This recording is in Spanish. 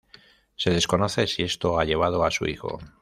Se desconoce si esto ha llevado a su hijo.